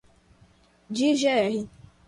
De gr